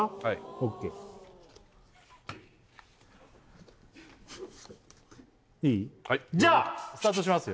ＯＫいい？じゃあスタートしますよ